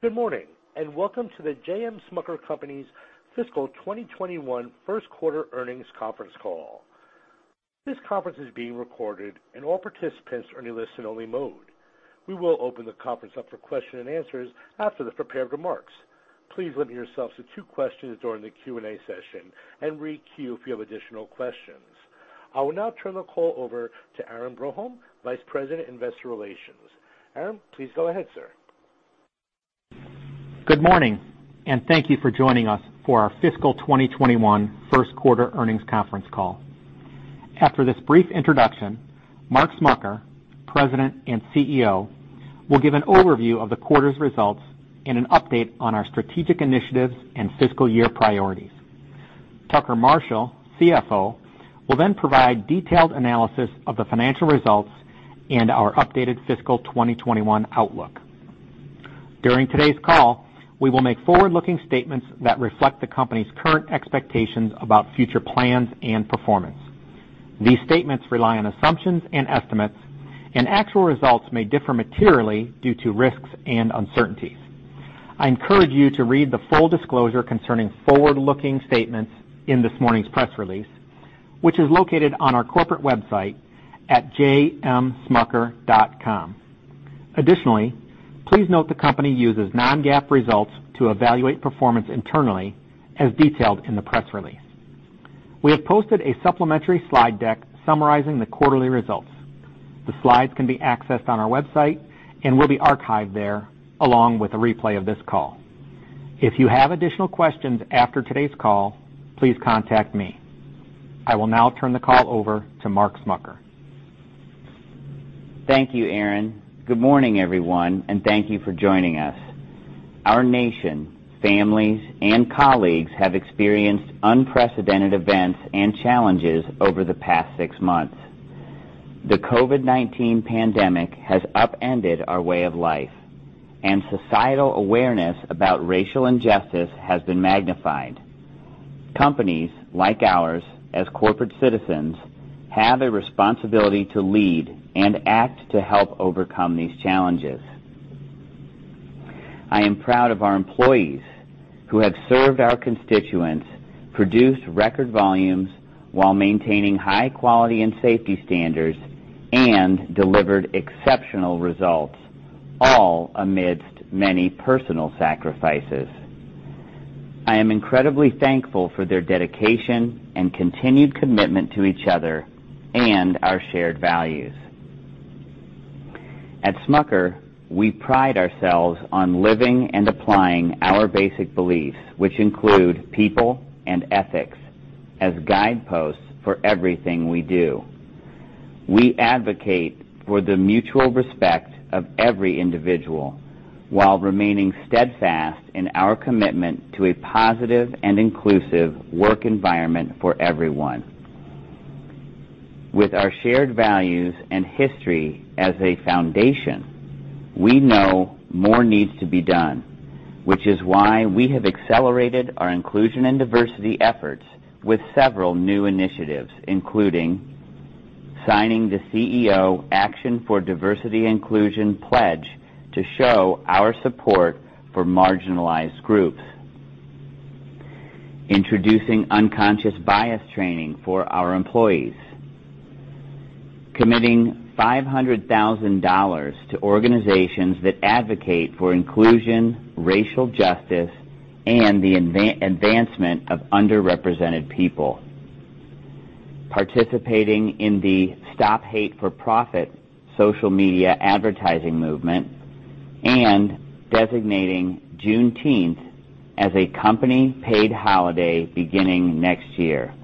Good morning and welcome to the J.M. Smucker Company's Fiscal 2021 First Quarter Earnings Conference Call. This conference is being recorded, and all participants are in a listen-only mode. We will open the conference up for questions and answers after the prepared remarks. Please limit yourself to two questions during the Q&A session and re-queue if you have additional questions. I will now turn the call over to Aaron Broholm, Vice President, Investor Relations. Aaron, please go ahead, sir. Good morning and thank you for joining us for our Fiscal 2021 First Quarter Earnings Conference Call. After this brief introduction, Mark Smucker, President and CEO, will give an overview of the quarter's results and an update on our strategic initiatives and fiscal year priorities. Tucker Marshall, CFO, will then provide detailed analysis of the financial results and our updated Fiscal 2021 outlook. During today's call, we will make forward-looking statements that reflect the company's current expectations about future plans and performance. These statements rely on assumptions and estimates, and actual results may differ materially due to risks and uncertainties. I encourage you to read the full disclosure concerning forward-looking statements in this morning's press release, which is located on our corporate website at jmsmucker.com. Additionally, please note the company uses non-GAAP results to evaluate performance internally, as detailed in the press release. We have posted a supplementary slide deck summarizing the quarterly results. The slides can be accessed on our website and will be archived there along with a replay of this call. If you have additional questions after today's call, please contact me. I will now turn the call over to Mark Smucker. Thank you, Aaron. Good morning, everyone, and thank you for joining us. Our nation, families, and colleagues have experienced unprecedented events and challenges over the past six months. The COVID-19 pandemic has upended our way of life, and societal awareness about racial injustice has been magnified. Companies, like ours, as corporate citizens, have a responsibility to lead and act to help overcome these challenges. I am proud of our employees who have served our constituents, produced record volumes while maintaining high quality and safety standards, and delivered exceptional results, all amidst many personal sacrifices. I am incredibly thankful for their dedication and continued commitment to each other and our shared values. At Smucker, we pride ourselves on living and applying our basic beliefs, which include people and ethics, as guideposts for everything we do. We advocate for the mutual respect of every individual while remaining steadfast in our commitment to a positive and inclusive work environment for everyone. With our shared values and history as a foundation, we know more needs to be done, which is why we have accelerated our inclusion and diversity efforts with several new initiatives, including signing the CEO Action for Diversity and Inclusion pledge to show our support for marginalized groups, introducing unconscious bias training for our employees, committing $500,000 to organizations that advocate for inclusion, racial justice, and the advancement of underrepresented people, participating in the Stop Hate for Profit social media advertising movement, and designating Juneteenth as a company-paid holiday beginning next year.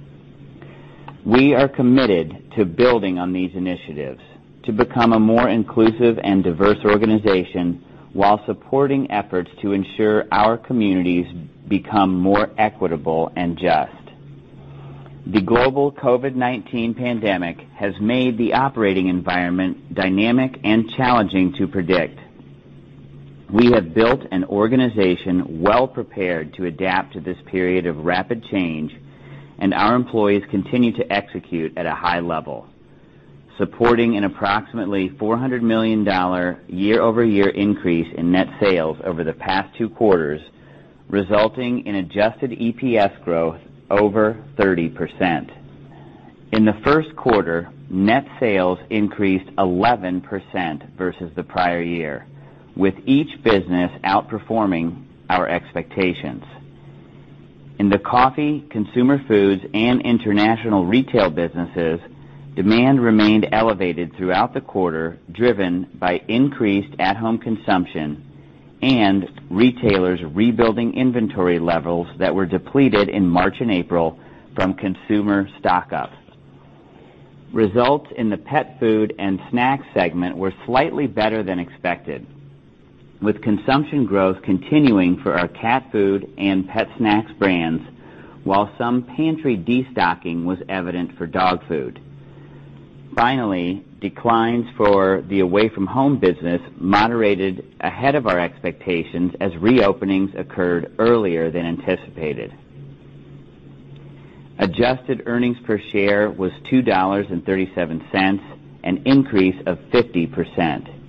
We are committed to building on these initiatives to become a more inclusive and diverse organization while supporting efforts to ensure our communities become more equitable and just. The global COVID-19 pandemic has made the operating environment dynamic and challenging to predict. We have built an organization well-prepared to adapt to this period of rapid change, and our employees continue to execute at a high level, supporting an approximately $400 million year-over-year increase in net sales over the past two quarters, resulting in adjusted EPS growth over 30%. In the first quarter, net sales increased 11% versus the prior year, with each business outperforming our expectations. In the coffee, consumer foods, and international retail businesses, demand remained elevated throughout the quarter, driven by increased at-home consumption and retailers rebuilding inventory levels that were depleted in March and April from consumer stock-up. Results in the pet food and snacks segment were slightly better than expected, with consumption growth continuing for our cat food and pet snacks brands, while some pantry destocking was evident for dog food. Finally, declines for the Away From Home business moderated ahead of our expectations as reopenings occurred earlier than anticipated. Adjusted earnings per share was $2.37, an increase of 50%,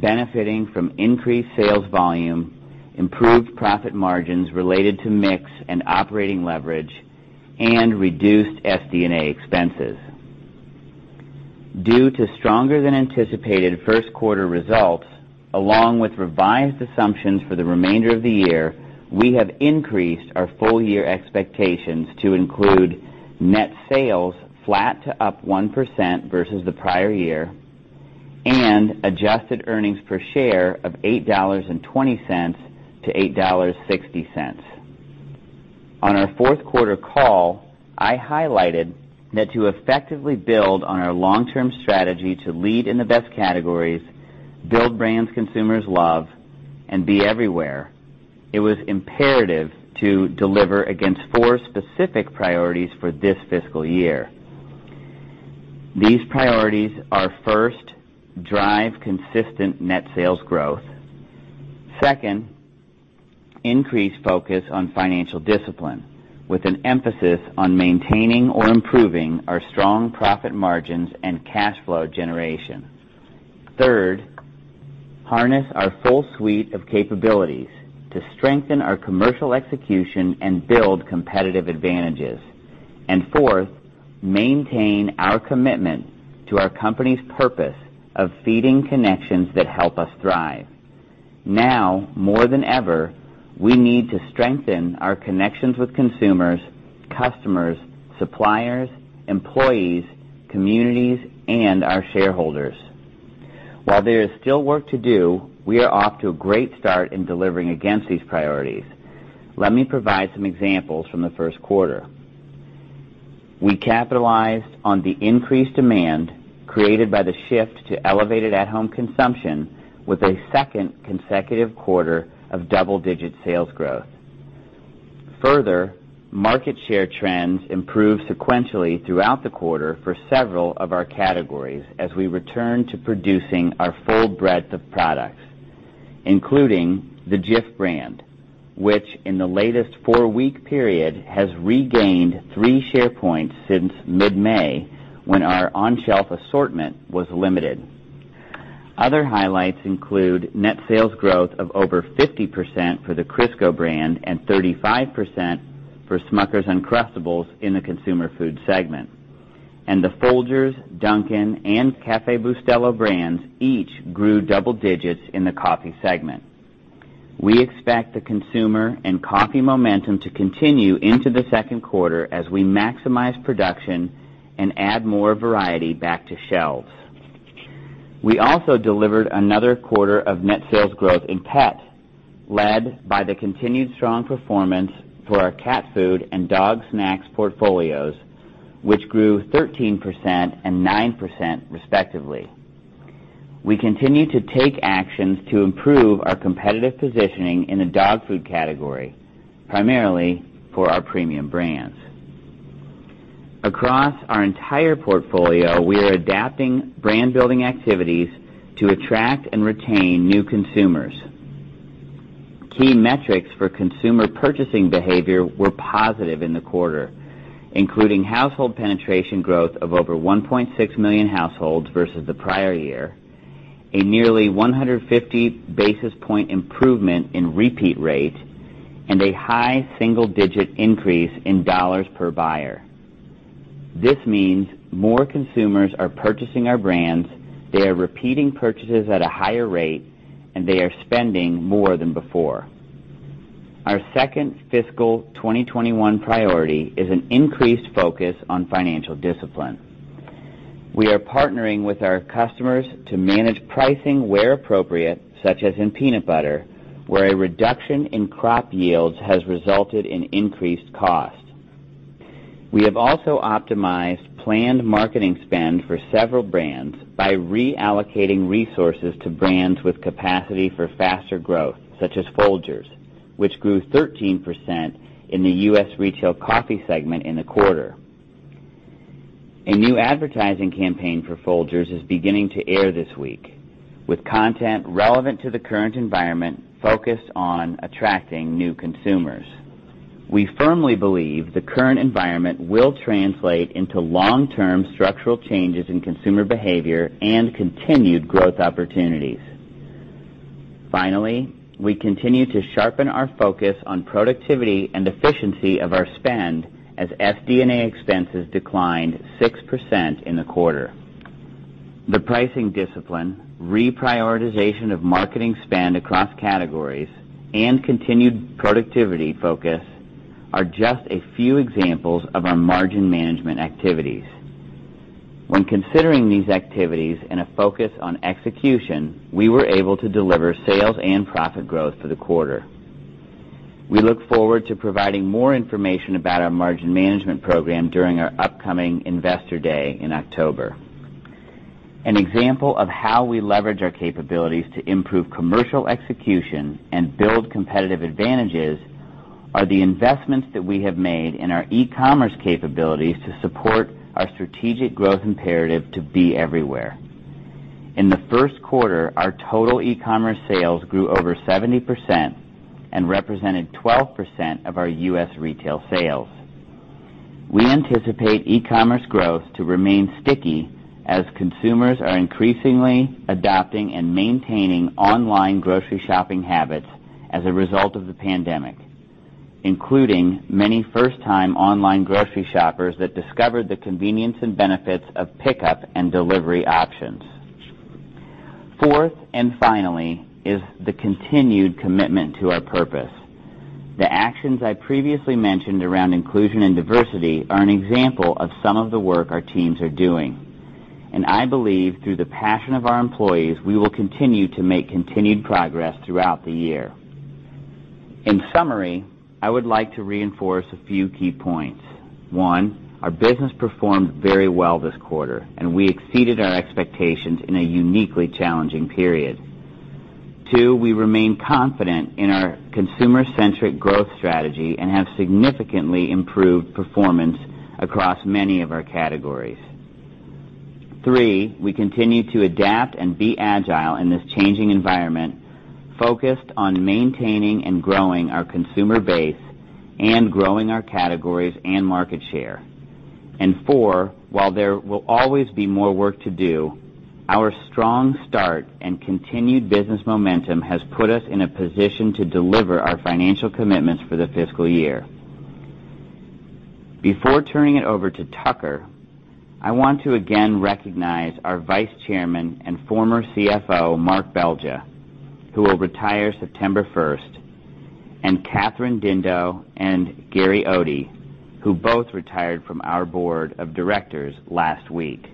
benefiting from increased sales volume, improved profit margins related to mix and operating leverage, and reduced SD&A expenses. Due to stronger-than-anticipated first quarter results, along with revised assumptions for the remainder of the year, we have increased our full-year expectations to include net sales flat to up 1% versus the prior year and adjusted earnings per share of $8.20-$8.60. On our fourth quarter call, I highlighted that to effectively build on our long-term strategy to lead in the best categories, build brands consumers love, and be everywhere, it was imperative to deliver against four specific priorities for this fiscal year. These priorities are, first, drive consistent net sales growth, second, increase focus on financial discipline, with an emphasis on maintaining or improving our strong profit margins and cash flow generation, third, harness our full suite of capabilities to strengthen our commercial execution and build competitive advantages, and fourth, maintain our commitment to our company's purpose of feeding connections that help us thrive. Now more than ever, we need to strengthen our connections with consumers, customers, suppliers, employees, communities, and our shareholders. While there is still work to do, we are off to a great start in delivering against these priorities. Let me provide some examples from the first quarter. We capitalized on the increased demand created by the shift to elevated at-home consumption with a second consecutive quarter of double-digit sales growth. Further, market share trends improved sequentially throughout the quarter for several of our categories as we returned to producing our full breadth of products, including the Jif brand, which in the latest four-week period has regained three share points since mid-May when our on-shelf assortment was limited. Other highlights include net sales growth of over 50% for the Crisco brand and 35% for Smucker's Uncrustables in the consumer food segment, and the Folgers, Dunkin', and Café Bustelo brands each grew double digits in the coffee segment. We expect the consumer and coffee momentum to continue into the second quarter as we maximize production and add more variety back to shelves. We also delivered another quarter of net sales growth in pet, led by the continued strong performance for our cat food and dog snacks portfolios, which grew 13% and 9% respectively. We continue to take actions to improve our competitive positioning in the dog food category, primarily for our premium brands. Across our entire portfolio, we are adapting brand-building activities to attract and retain new consumers. Key metrics for consumer purchasing behavior were positive in the quarter, including household penetration growth of over 1.6 million households versus the prior year, a nearly 150 basis point improvement in repeat rate, and a high single-digit increase in dollars per buyer. This means more consumers are purchasing our brands, they are repeating purchases at a higher rate, and they are spending more than before. Our second fiscal 2021 priority is an increased focus on financial discipline. We are partnering with our customers to manage pricing where appropriate, such as in peanut butter, where a reduction in crop yields has resulted in increased cost. We have also optimized planned marketing spend for several brands by reallocating resources to brands with capacity for faster growth, such as Folgers, which grew 13% in the U.S. retail coffee segment in the quarter. A new advertising campaign for Folgers is beginning to air this week, with content relevant to the current environment focused on attracting new consumers. We firmly believe the current environment will translate into long-term structural changes in consumer behavior and continued growth opportunities. Finally, we continue to sharpen our focus on productivity and efficiency of our spend as SD&A expenses declined 6% in the quarter. The pricing discipline, reprioritization of marketing spend across categories, and continued productivity focus are just a few examples of our margin management activities. When considering these activities and a focus on execution, we were able to deliver sales and profit growth for the quarter. We look forward to providing more information about our margin management program during our upcoming Investor Day in October. An example of how we leverage our capabilities to improve commercial execution and build competitive advantages are the investments that we have made in our e-commerce capabilities to support our strategic growth imperative to be everywhere. In the first quarter, our total e-commerce sales grew over 70% and represented 12% of our U.S. retail sales. We anticipate e-commerce growth to remain sticky as consumers are increasingly adopting and maintaining online grocery shopping habits as a result of the pandemic, including many first-time online grocery shoppers that discovered the convenience and benefits of pickup and delivery options. Fourth and finally is the continued commitment to our purpose. The actions I previously mentioned around inclusion and diversity are an example of some of the work our teams are doing, and I believe through the passion of our employees, we will continue to make continued progress throughout the year. In summary, I would like to reinforce a few key points. One, our business performed very well this quarter, and we exceeded our expectations in a uniquely challenging period. Two, we remain confident in our consumer-centric growth strategy and have significantly improved performance across many of our categories. Three, we continue to adapt and be agile in this changing environment, focused on maintaining and growing our consumer base and growing our categories and market share. And four, while there will always be more work to do, our strong start and continued business momentum has put us in a position to deliver our financial commitments for the fiscal year. Before turning it over to Tucker, I want to again recognize our Vice Chairman and former CFO, Mark Belgya, who will retire September 1st, and Kathryn Dindo and Gary Oatey, who both retired from our Board of Directors last week.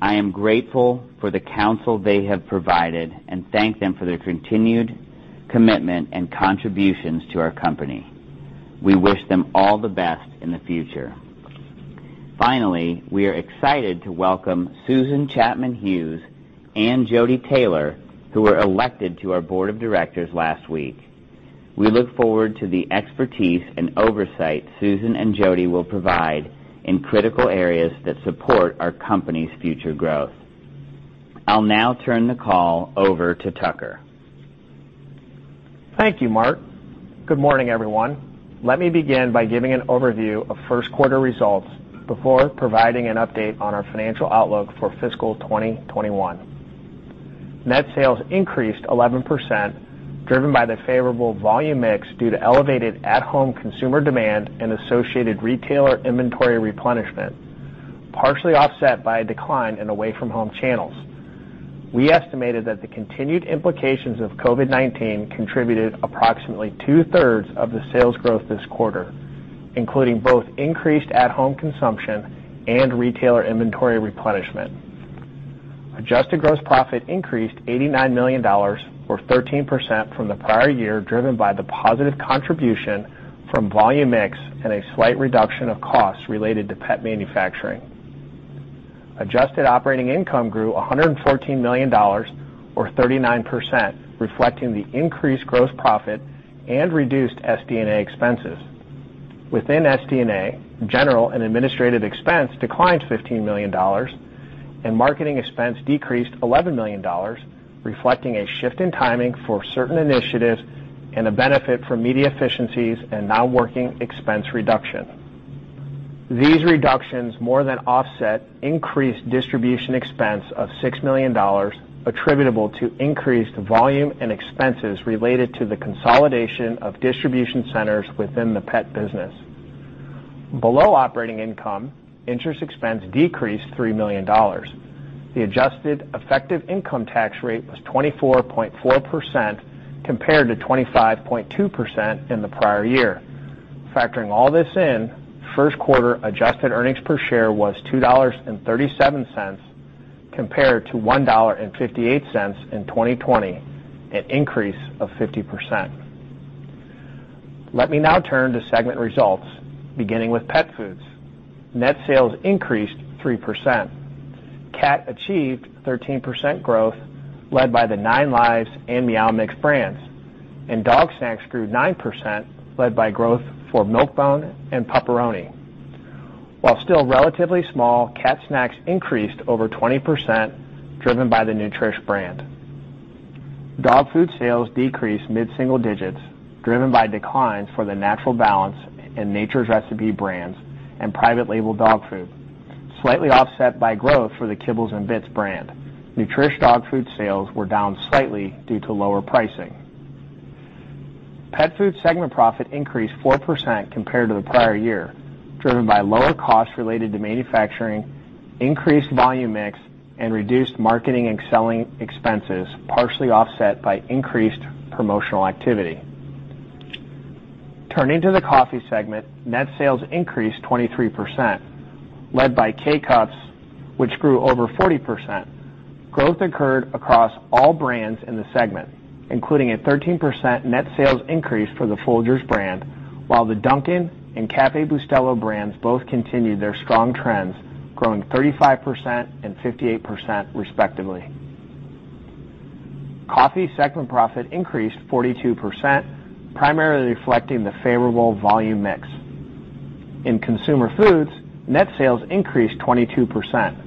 I am grateful for the counsel they have provided and thank them for their continued commitment and contributions to our company. We wish them all the best in the future. Finally, we are excited to welcome Susan Chapman Hughes and Jody Taylor, who were elected to our Board of Directors last week. We look forward to the expertise and oversight Susan and Jody will provide in critical areas that support our company's future growth. I'll now turn the call over to Tucker. Thank you, Mark. Good morning, everyone. Let me begin by giving an overview of first quarter results before providing an update on our financial outlook for Fiscal 2021. Net sales increased 11%, driven by the favorable volume mix due to elevated at-home consumer demand and associated retailer inventory replenishment, partially offset by a decline in Away From Home channels. We estimated that the continued implications of COVID-19 contributed approximately two-thirds of the sales growth this quarter, including both increased at-home consumption and retailer inventory replenishment. Adjusted gross profit increased $89 million, or 13% from the prior year, driven by the positive contribution from volume mix and a slight reduction of costs related to pet manufacturing. Adjusted operating income grew $114 million, or 39%, reflecting the increased gross profit and reduced SD&A expenses. Within SD&A, general and administrative expense declined $15 million, and marketing expense decreased $11 million, reflecting a shift in timing for certain initiatives and a benefit for media efficiencies and non-working expense reduction. These reductions more than offset increased distribution expense of $6 million, attributable to increased volume and expenses related to the consolidation of distribution centers within the pet business. Below operating income, interest expense decreased $3 million. The adjusted effective income tax rate was 24.4% compared to 25.2% in the prior year. Factoring all this in, first quarter adjusted earnings per share was $2.37 compared to $1.58 in 2020, an increase of 50%. Let me now turn to segment results, beginning with pet foods. Net sales increased 3%. Cat achieved 13% growth, led by the 9Lives and Meow Mix brands, and dog snacks grew 9%, led by growth for Milk-Bone and Pup-Peroni. While still relatively small, cat snacks increased over 20%, driven by the Nutrish brand. Dog food sales decreased mid-single digits, driven by declines for the Natural Balance and Nature's Recipe brands and private label dog food, slightly offset by growth for the Kibbles 'n Bits brand. Nutrish dog food sales were down slightly due to lower pricing. Pet food segment profit increased 4% compared to the prior year, driven by lower costs related to manufacturing, increased volume mix, and reduced marketing and selling expenses, partially offset by increased promotional activity. Turning to the coffee segment, net sales increased 23%, led by K-Cups, which grew over 40%. Growth occurred across all brands in the segment, including a 13% net sales increase for the Folgers brand, while the Dunkin' and Café Bustelo brands both continued their strong trends, growing 35% and 58%, respectively. Coffee segment profit increased 42%, primarily reflecting the favorable volume mix. In consumer foods, net sales increased 22%.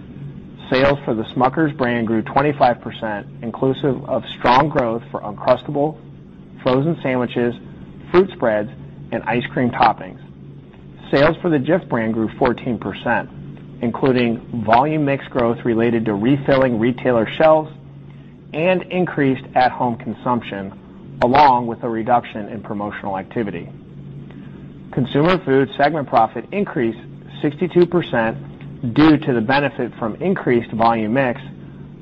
Sales for the Smucker's brand grew 25%, inclusive of strong growth for Uncrustables, frozen sandwiches, fruit spreads, and ice cream toppings. Sales for the Jif brand grew 14%, including volume mix growth related to refilling retailer shelves and increased at-home consumption, along with a reduction in promotional activity. Consumer food segment profit increased 62% due to the benefit from increased volume mix,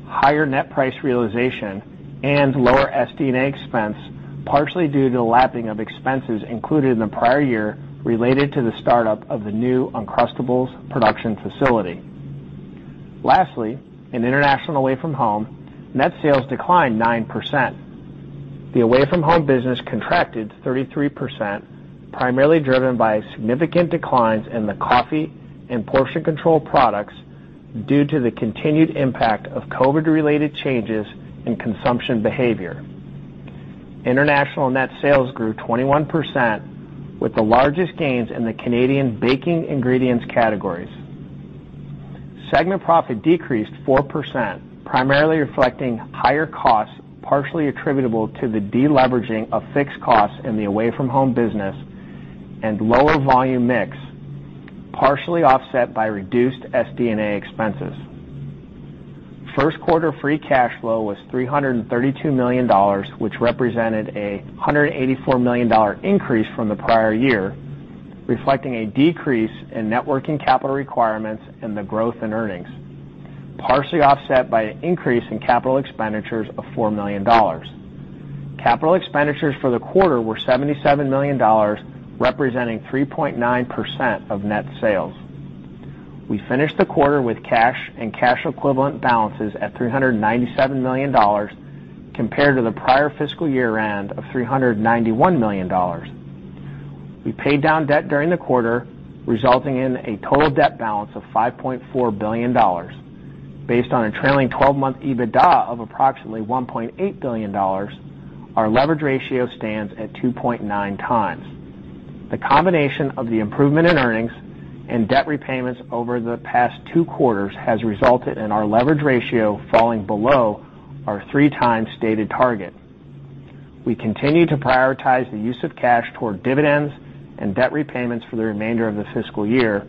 higher net price realization, and lower SD&A expense, partially due to the lapping of expenses included in the prior year related to the startup of the new Uncrustables production facility. Lastly, in international Away From Home, net sales declined 9%. The Away From Home business contracted 33%, primarily driven by significant declines in the coffee and portion control products due to the continued impact of COVID-related changes in consumption behavior. International net sales grew 21%, with the largest gains in the Canadian baking ingredients categories. Segment profit decreased 4%, primarily reflecting higher costs partially attributable to the deleveraging of fixed costs in the Away From Home business and lower volume mix, partially offset by reduced SD&A expenses. First quarter free cash flow was $332 million, which represented a $184 million increase from the prior year, reflecting a decrease in net working capital requirements and the growth in earnings, partially offset by an increase in capital expenditures of $4 million. Capital expenditures for the quarter were $77 million, representing 3.9% of net sales. We finished the quarter with cash and cash equivalents balances at $397 million, compared to the prior fiscal year end of $391 million. We paid down debt during the quarter, resulting in a total debt balance of $5.4 billion. Based on a trailing 12-month EBITDA of approximately $1.8 billion, our leverage ratio stands at 2.9 times. The combination of the improvement in earnings and debt repayments over the past two quarters has resulted in our leverage ratio falling below our three-time stated target. We continue to prioritize the use of cash toward dividends and debt repayments for the remainder of the fiscal year,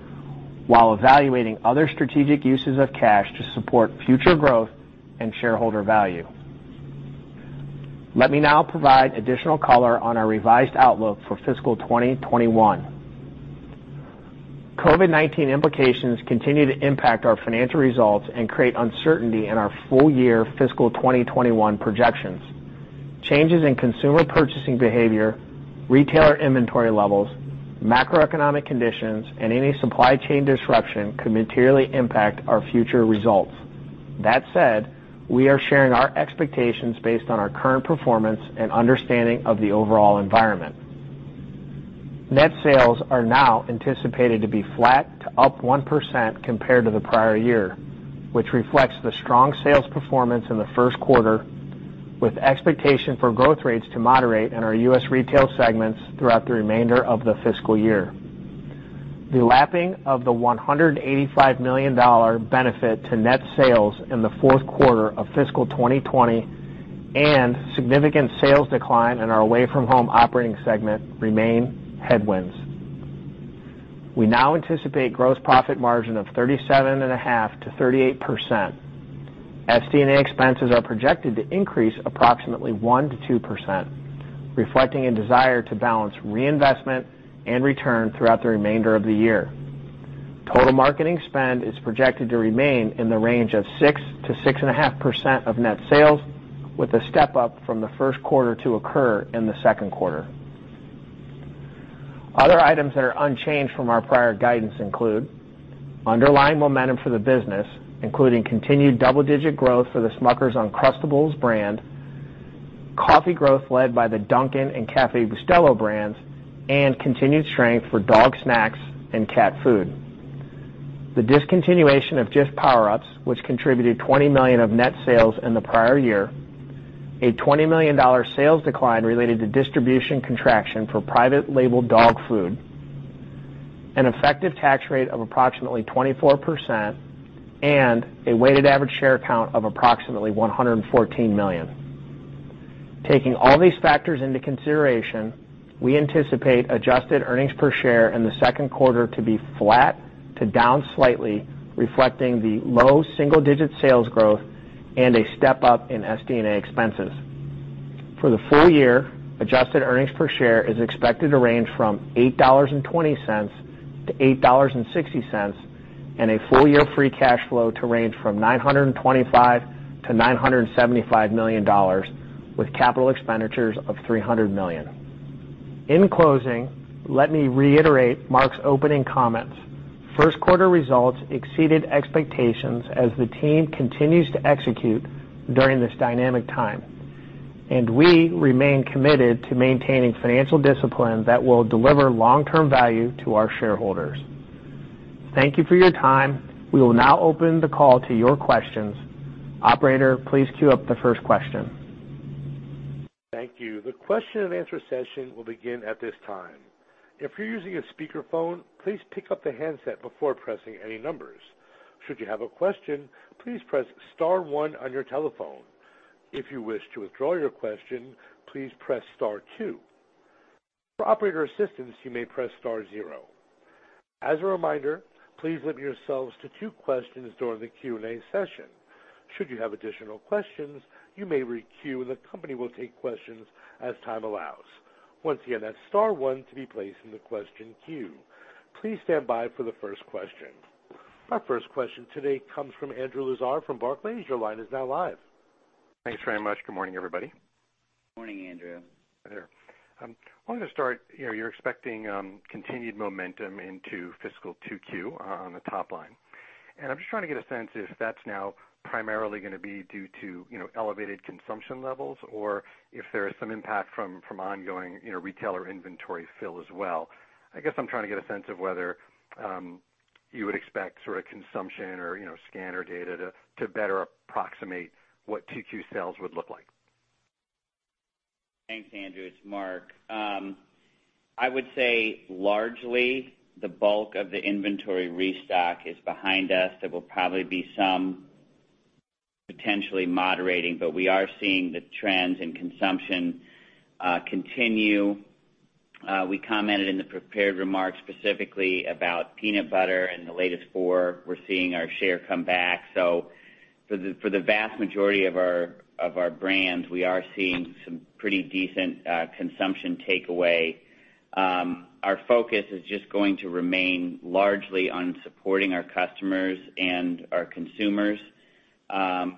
while evaluating other strategic uses of cash to support future growth and shareholder value. Let me now provide additional color on our revised outlook for Fiscal 2021. COVID-19 implications continue to impact our financial results and create uncertainty in our full-year Fiscal 2021 projections. Changes in consumer purchasing behavior, retailer inventory levels, macroeconomic conditions, and any supply chain disruption could materially impact our future results. That said, we are sharing our expectations based on our current performance and understanding of the overall environment. Net sales are now anticipated to be flat to up 1% compared to the prior year, which reflects the strong sales performance in the first quarter, with expectation for growth rates to moderate in our U.S. retail segments throughout the remainder of the fiscal year. The lapping of the $185 million benefit to net sales in the fourth quarter of fiscal 2020 and significant sales decline in our Away From Home operating segment remain headwinds. We now anticipate gross profit margin of 37.5%-38%. SD&A expenses are projected to increase approximately 1%-2%, reflecting a desire to balance reinvestment and return throughout the remainder of the year. Total marketing spend is projected to remain in the range of 6%-6.5% of net sales, with a step up from the first quarter to occur in the second quarter. Other items that are unchanged from our prior guidance include underlying momentum for the business, including continued double-digit growth for the Smucker's Uncrustables brand, coffee growth led by the Dunkin' and Café Bustelo brands, and continued strength for dog snacks and cat food. The discontinuation of Jif Power Ups, which contributed 20 million of net sales in the prior year, a $20 million sales decline related to distribution contraction for private label dog food, an effective tax rate of approximately 24%, and a weighted average share count of approximately 114 million. Taking all these factors into consideration, we anticipate adjusted earnings per share in the second quarter to be flat to down slightly, reflecting the low single-digit sales growth and a step up in SD&A expenses. For the full year, adjusted earnings per share is expected to range from $8.20-$8.60, and a full-year free cash flow to range from $925-$975 million, with capital expenditures of $300 million. In closing, let me reiterate Mark's opening comments. First quarter results exceeded expectations as the team continues to execute during this dynamic time, and we remain committed to maintaining financial discipline that will deliver long-term value to our shareholders. Thank you for your time. We will now open the call to your questions. Operator, please queue up the first question. Thank you. The question and answer session will begin at this time. If you're using a speakerphone, please pick up the handset before pressing any numbers. Should you have a question, please press Star 1 on your telephone. If you wish to withdraw your question, please press Star 2. For operator assistance, you may press Star 0. As a reminder, please limit yourselves to two questions during the Q&A session. Should you have additional questions, you may re-queue, and the company will take questions as time allows. Once again, that's Star 1 to be placed in the question queue. Please stand by for the first question. Our first question today comes from Andrew Lazar from Barclays. Your line is now live. Thanks very much. Good morning, everybody. Morning, Andrew. I wanted to start, you're expecting continued momentum into fiscal 2Q on the top line. And I'm just trying to get a sense if that's now primarily going to be due to elevated consumption levels or if there is some impact from ongoing retailer inventory fill as well. I guess I'm trying to get a sense of whether you would expect sort of consumption or scanner data to better approximate what 2Q sales would look like. Thanks, Andrew. It's Mark. I would say largely the bulk of the inventory restock is behind us. There will probably be some potentially moderating, but we are seeing the trends in consumption continue. We commented in the prepared remarks specifically about peanut butter and the latest four. We're seeing our share come back. So for the vast majority of our brands, we are seeing some pretty decent consumption takeaway. Our focus is just going to remain largely on supporting our customers and our consumers. As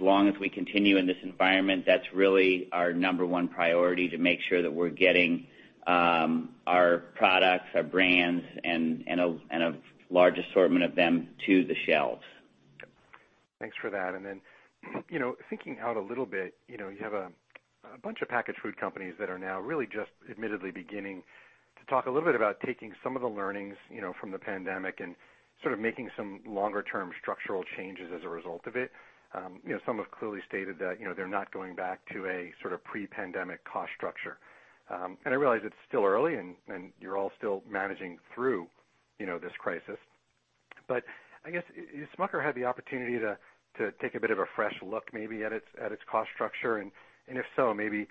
long as we continue in this environment, that's really our number one priority to make sure that we're getting our products, our brands, and a large assortment of them to the shelves. Thanks for that. And then, thinking out a little bit, you have a bunch of packaged food companies that are now really just admittedly beginning to talk a little bit about taking some of the learnings from the pandemic and sort of making some longer-term structural changes as a result of it. Some have clearly stated that they're not going back to a sort of pre-pandemic cost structure. And I realize it's still early and you're all still managing through this crisis. But I guess, has Smucker had the opportunity to take a bit of a fresh look maybe at its cost structure? And if so, maybe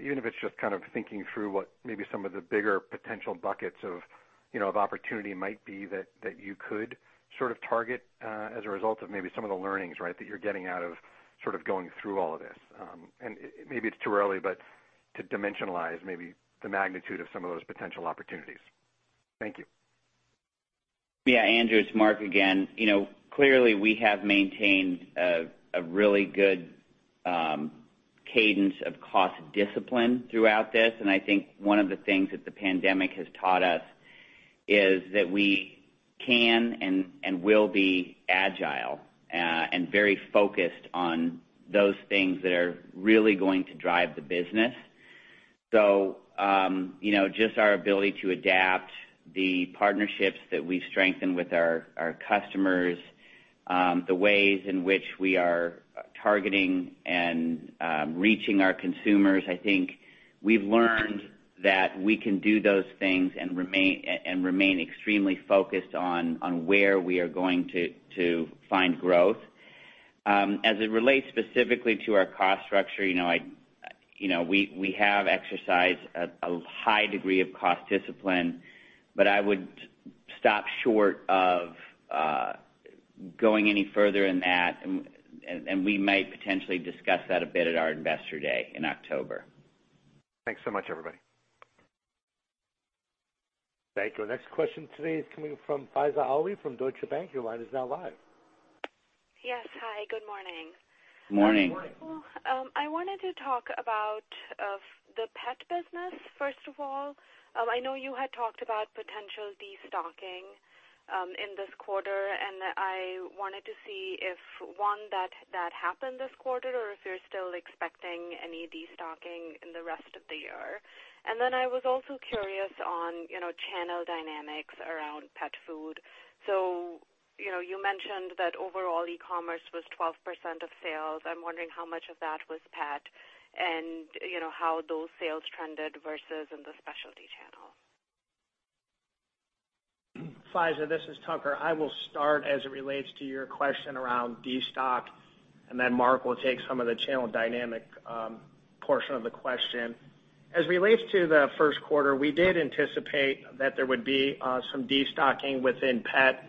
even if it's just kind of thinking through what maybe some of the bigger potential buckets of opportunity might be that you could sort of target as a result of maybe some of the learnings, right, that you're getting out of sort of going through all of this? And maybe it's too early, but to dimensionalize maybe the magnitude of some of those potential opportunities? Thank you. Yeah, Andrew, it's Mark again. Clearly, we have maintained a really good cadence of cost discipline throughout this. And I think one of the things that the pandemic has taught us is that we can and will be agile and very focused on those things that are really going to drive the business. So just our ability to adapt the partnerships that we've strengthened with our customers, the ways in which we are targeting and reaching our consumers, I think we've learned that we can do those things and remain extremely focused on where we are going to find growth. As it relates specifically to our cost structure, we have exercised a high degree of cost discipline, but I would stop short of going any further in that. And we might potentially discuss that a bit at our Investor Day in October. Thanks so much, everybody. Thank you. Our next question today is coming from Faiza Alwy from Deutsche Bank. Your line is now live. Yes, hi. Good morning. Good morning. I wanted to talk about the pet business, first of all. I know you had talked about potential destocking in this quarter, and I wanted to see if, one, that happened this quarter or if you're still expecting any destocking in the rest of the year. and then I was also curious on channel dynamics around pet food. so you mentioned that overall e-commerce was 12% of sales. I'm wondering how much of that was pet and how those sales trended versus in the specialty channel. Faiza, this is Tucker. I will start as it relates to your question around destock, and then Mark will take some of the channel dynamic portion of the question. As it relates to the first quarter, we did anticipate that there would be some destocking within pet.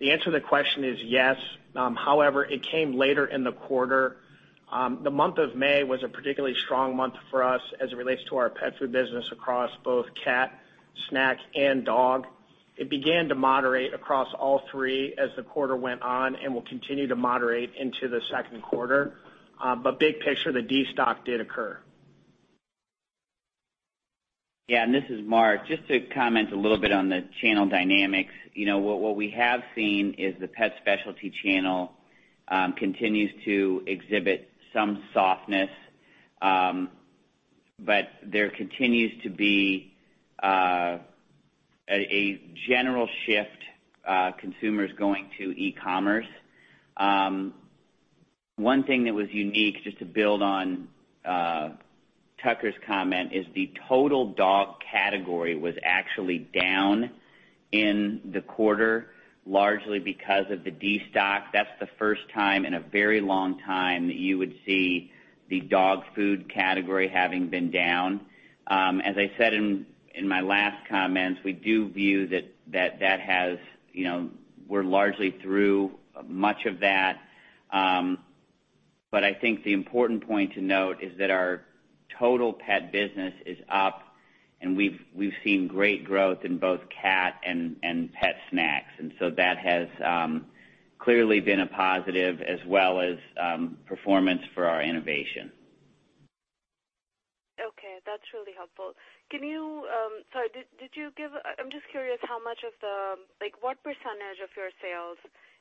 The answer to the question is yes. However, it came later in the quarter. The month of May was a particularly strong month for us as it relates to our pet food business across both cat, snack, and dog. It began to moderate across all three as the quarter went on and will continue to moderate into the second quarter. But big picture, the destock did occur. Yeah, and this is Mark. Just to comment a little bit on the channel dynamics, what we have seen is the pet specialty channel continues to exhibit some softness, but there continues to be a general shift of consumers going to e-commerce. One thing that was unique, just to build on Tucker's comment, is the total dog category was actually down in the quarter, largely because of the destock. That's the first time in a very long time that you would see the dog food category having been down. As I said in my last comments, we do view that we're largely through much of that. But I think the important point to note is that our total pet business is up, and we've seen great growth in both cat and pet snacks. And so that has clearly been a positive as well as performance for our innovation. Okay. That's really helpful. Can you? Sorry, did you give? I'm just curious how much of the what percentage of your sales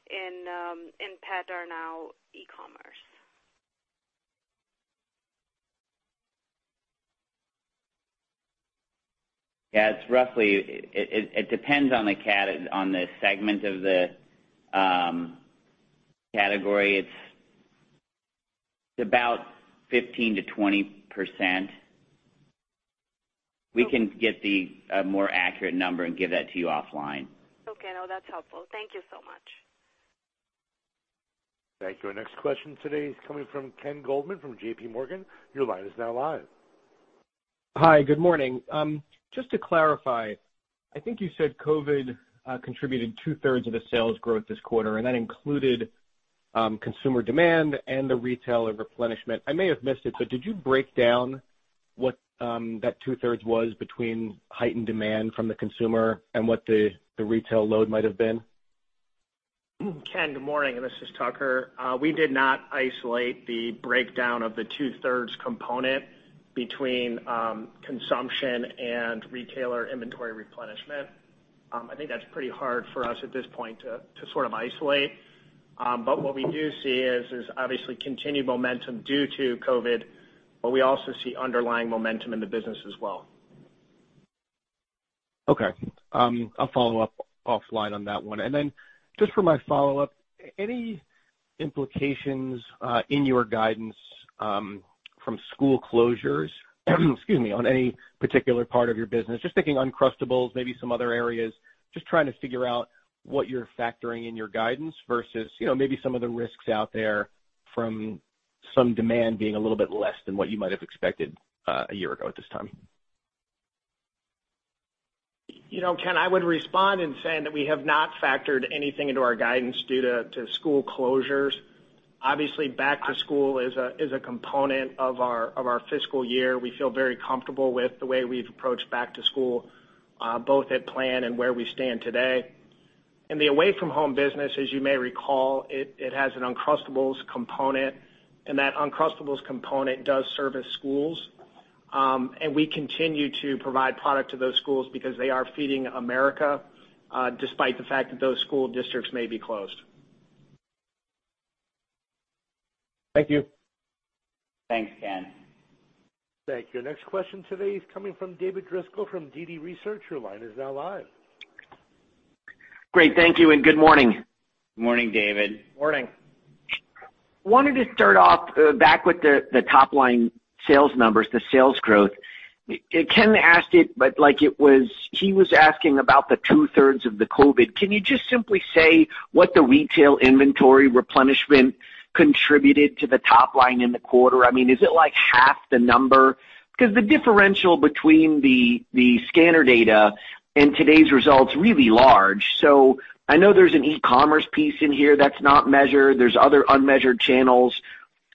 in pet are now e-commerce? Yeah, it's roughly. It depends on the cat, on the segment of the category. It's about 15%-20%. We can get the more accurate number and give that to you offline. Okay. No, that's helpful. Thank you so much. Thank you. Our next question today is coming from Ken Goldman from JPMorgan. Your line is now live. Hi, good morning. Just to clarify, I think you said COVID contributed two-thirds of the sales growth this quarter, and that included consumer demand and the retailer replenishment. I may have missed it, but did you break down what that two-thirds was between heightened demand from the consumer and what the retailer load might have been? Ken, good morning. And this is Tucker. We did not isolate the breakdown of the two-thirds component between consumption and retailer inventory replenishment. I think that's pretty hard for us at this point to sort of isolate. But what we do see is obviously continued momentum due to COVID, but we also see underlying momentum in the business as well. Okay. I'll follow up offline on that one. And then just for my follow-up, any implications in your guidance from school closures, excuse me, on any particular part of your business? Just thinking, Uncrustables, maybe some other areas, just trying to figure out what you're factoring in your guidance versus maybe some of the risks out there from some demand being a little bit less than what you might have expected a year ago at this time. Ken, I would respond in saying that we have not factored anything into our guidance due to school closures. Obviously, back to school is a component of our fiscal year. We feel very comfortable with the way we've approached back to school, both at plan and where we stand today, and the Away From Home business, as you may recall, it has an Uncrustables component, and that Uncrustables component does service schools, and we continue to provide product to those schools because they are feeding America despite the fact that those school districts may be closed. Thank you. Thanks, Ken. Thank you. Our next question today is coming from David Driscoll from DD Research. Your line is now live. Great. Thank you and good morning. Good morning, David. Morning. Wanted to start off back with the top-line sales numbers, the sales growth. Ken asked it like he was asking about the two-thirds of the COVID. Can you just simply say what the retail inventory replenishment contributed to the top line in the quarter? I mean, is it like half the number? Because the differential between the scanner data and today's results is really large. So I know there's an e-commerce piece in here that's not measured. There's other unmeasured channels.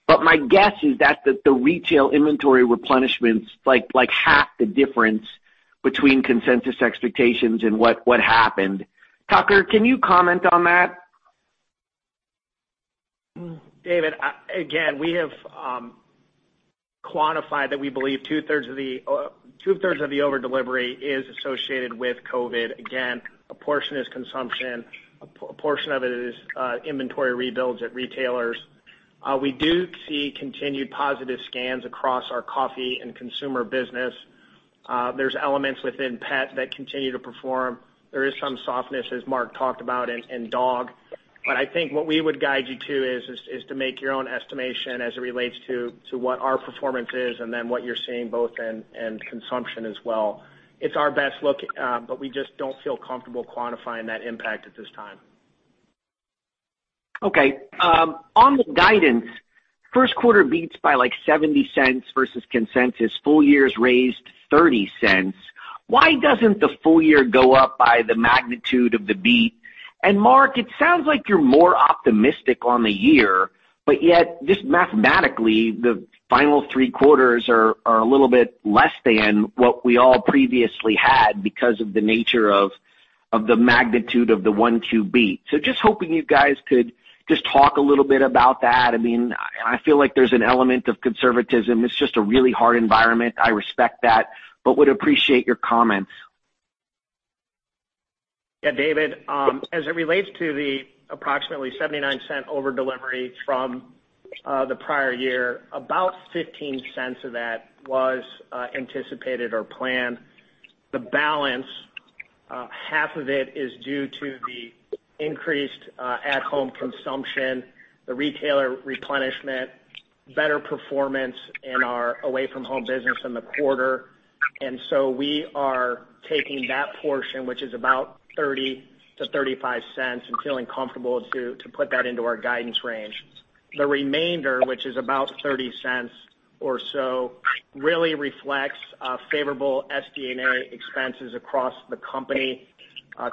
But my guess is that the retail inventory replenishment is like half the difference between consensus expectations and what happened. Tucker, can you comment on that? David, again, we have quantified that we believe two-thirds of the overdelivery is associated with COVID. Again, a portion is consumption. A portion of it is inventory rebuilds at retailers. We do see continued positive scans across our coffee and consumer business. There's elements within pet that continue to perform. There is some softness, as Mark talked about, in dog. But I think what we would guide you to is to make your own estimation as it relates to what our performance is and then what you're seeing both in consumption as well. It's our best look, but we just don't feel comfortable quantifying that impact at this time. Okay. On the guidance, first quarter beats by like $0.70 versus consensus. Full year's raised $0.30. Why doesn't the full year go up by the magnitude of the beat? And Mark, it sounds like you're more optimistic on the year, but yet just mathematically, the final three quarters are a little bit less than what we all previously had because of the nature of the magnitude of the one-two beat. So just hoping you guys could just talk a little bit about that. I mean, I feel like there's an element of conservatism. It's just a really hard environment. I respect that, but would appreciate your comments. Yeah, David, as it relates to the approximately $0.79 overdelivery from the prior year, about $0.15 of that was anticipated or planned. The balance, half of it is due to the increased at-home consumption, the retailer replenishment, better performance in our Away From Home business in the quarter. And so we are taking that portion, which is about $0.30-$0.35, and feeling comfortable to put that into our guidance range. The remainder, which is about $0.30 or so, really reflects favorable SD&A expenses across the company,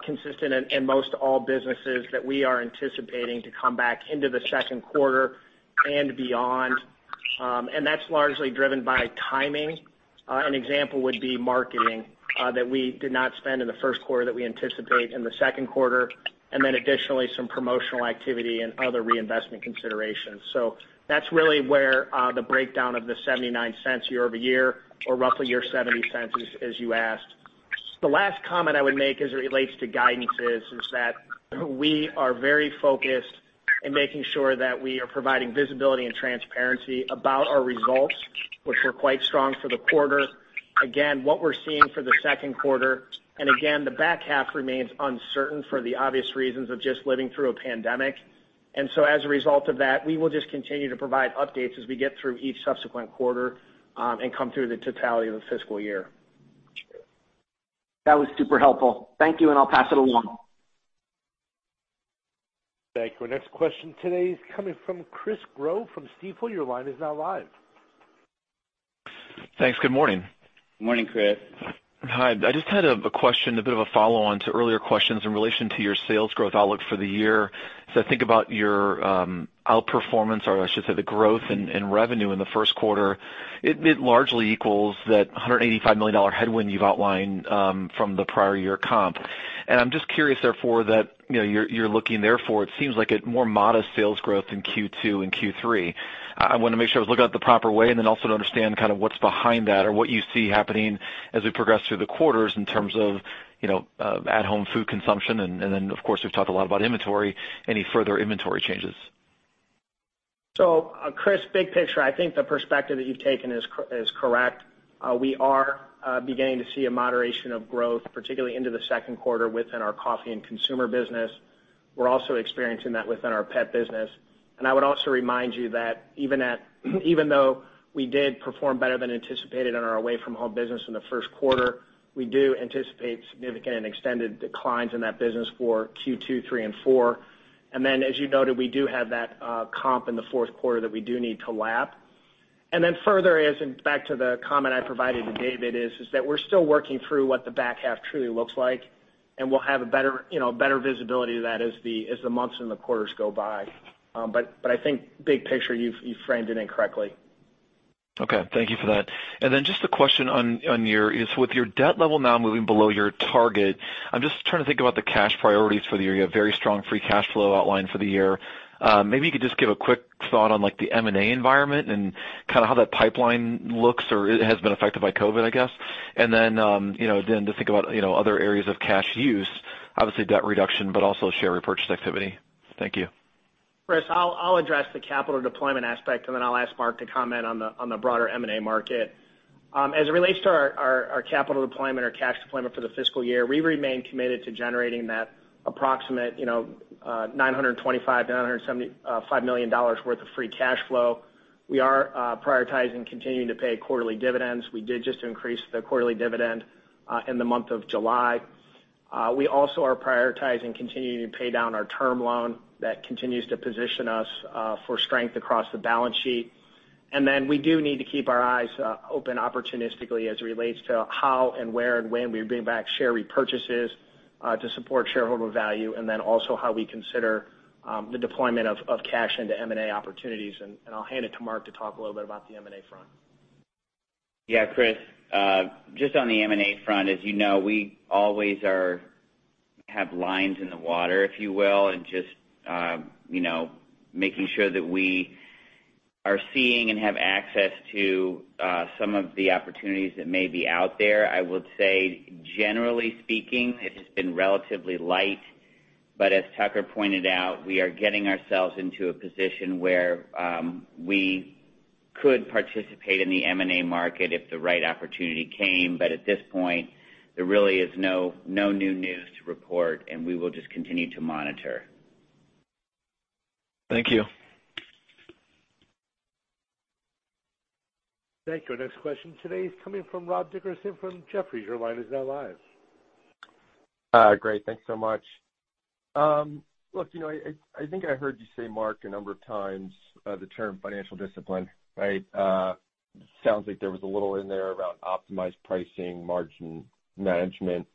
consistent in most all businesses that we are anticipating to come back into the second quarter and beyond. And that's largely driven by timing. An example would be marketing that we did not spend in the first quarter that we anticipate in the second quarter, and then additionally some promotional activity and other reinvestment considerations. So that's really where the breakdown of the $0.79 year-over-year or roughly your $0.70 is, as you asked. The last comment I would make as it relates to guidance is that we are very focused in making sure that we are providing visibility and transparency about our results, which were quite strong for the quarter. Again, what we're seeing for the second quarter, and again, the back half remains uncertain for the obvious reasons of just living through a pandemic, and so as a result of that, we will just continue to provide updates as we get through each subsequent quarter and come through the totality of the fiscal year. That was super helpful. Thank you, and I'll pass it along. Thank you. Our next question today is coming from Chris Growe from Stifel. Your line is now live. Thanks. Good morning. Good morning, Chris. Hi. I just had a question, a bit of a follow-on to earlier questions in relation to your sales growth outlook for the year, so I think about your outperformance, or I should say the growth in revenue in the first quarter. It largely equals that $185 million headwind you've outlined from the prior year comp. And I'm just curious, therefore, that you're looking there for, it seems like, a more modest sales growth in Q2 and Q3. I want to make sure I was looking at the proper way and then also to understand kind of what's behind that or what you see happening as we progress through the quarters in terms of at-home food consumption. And then, of course, we've talked a lot about inventory. Any further inventory changes? So, Chris, big picture, I think the perspective that you've taken is correct. We are beginning to see a moderation of growth, particularly into the second quarter within our coffee and consumer business. We're also experiencing that within our pet business. And I would also remind you that even though we did perform better than anticipated in our Away From Home business in the first quarter, we do anticipate significant and extended declines in that business for Q2, Q3, and Q4. And then, as you noted, we do have that comp in the fourth quarter that we do need to lap. And then further, going back to the comment I provided to David, is that we're still working through what the back half truly looks like, and we'll have a better visibility of that as the months and the quarters go by. But I think big picture, you framed it incorrectly. Okay. Thank you for that. And then just a question on, so with your debt level now moving below your target, I'm just trying to think about the cash priorities for the year. You have very strong free cash flow outlined for the year. Maybe you could just give a quick thought on the M&A environment and kind of how that pipeline looks or has been affected by COVID, I guess, and then to think about other areas of cash use, obviously debt reduction, but also share repurchase activity. Thank you. Chris, I'll address the capital deployment aspect, and then I'll ask Mark to comment on the broader M&A market. As it relates to our capital deployment or cash deployment for the fiscal year, we remain committed to generating that approximate $925-$975 million worth of free cash flow. We are prioritizing continuing to pay quarterly dividends. We did just increase the quarterly dividend in the month of July. We also are prioritizing continuing to pay down our term loan that continues to position us for strength across the balance sheet. And then we do need to keep our eyes open opportunistically as it relates to how and where and when we bring back share repurchases to support shareholder value, and then also how we consider the deployment of cash into M&A opportunities. And I'll hand it to Mark to talk a little bit about the M&A front. Yeah, Chris, just on the M&A front, as you know, we always have lines in the water, if you will, and just making sure that we are seeing and have access to some of the opportunities that may be out there. I would say, generally speaking, it has been relatively light. But as Tucker pointed out, we are getting ourselves into a position where we could participate in the M&A market if the right opportunity came. But at this point, there really is no new news to report, and we will just continue to monitor. Thank you. Thank you. Our next question today is coming from Rob Dickerson from Jefferies. Your line is now live. Great. Thanks so much. Look, I think I heard you say, Mark, a number of times the term financial discipline, right? It sounds like there was a little in there around optimized pricing, margin management.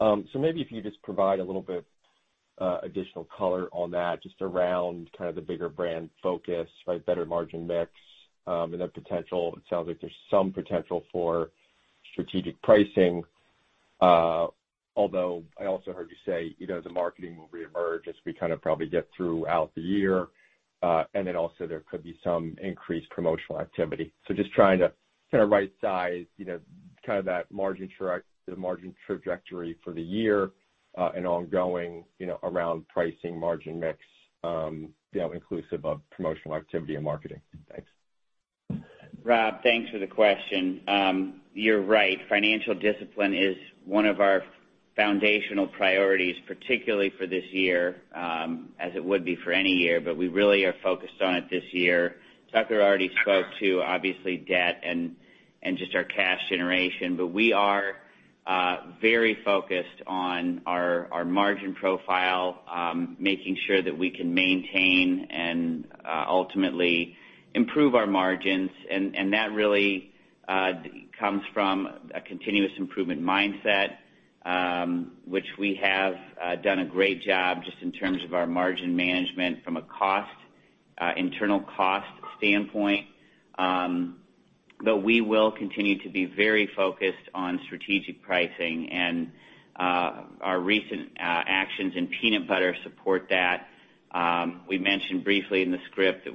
So maybe if you just provide a little bit of additional color on that, just around kind of the bigger brand focus, better margin mix, and the potential. It sounds like there's some potential for strategic pricing. Although I also heard you say the marketing will reemerge as we kind of probably get throughout the year, and then also there could be some increased promotional activity. So, just trying to kind of right-size kind of that margin trajectory for the year and ongoing around pricing, margin mix, inclusive of promotional activity and marketing. Thanks. Rob, thanks for the question. You're right. Financial discipline is one of our foundational priorities, particularly for this year, as it would be for any year, but we really are focused on it this year. Tucker already spoke to, obviously, debt and just our cash generation, but we are very focused on our margin profile, making sure that we can maintain and ultimately improve our margins, and that really comes from a continuous improvement mindset, which we have done a great job just in terms of our margin management from an internal cost standpoint, but we will continue to be very focused on strategic pricing, and our recent actions in peanut butter support that. We mentioned briefly in the script that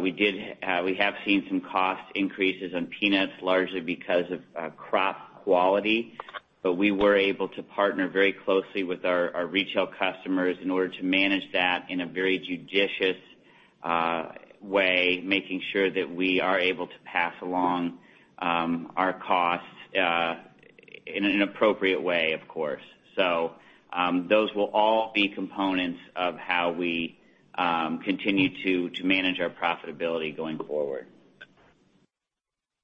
we have seen some cost increases on peanuts, largely because of crop quality, but we were able to partner very closely with our retail customers in order to manage that in a very judicious way, making sure that we are able to pass along our costs in an appropriate way, of course, so those will all be components of how we continue to manage our profitability going forward.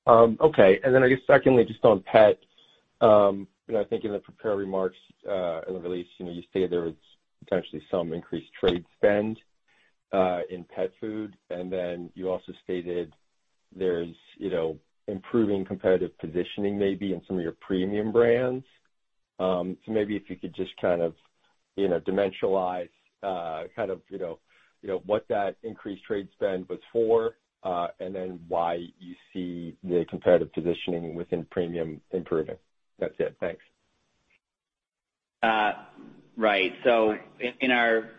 Okay, and then I guess, secondly, just on pet, I think in the prepared remarks in the release, you stated there was potentially some increased trade spend in pet food, and then you also stated there's improving competitive positioning maybe in some of your premium brands, so maybe if you could just kind of dimensionalize kind of what that increased trade spend was for and then why you see the competitive positioning within premium improving. That's it. Thanks. Right. So in our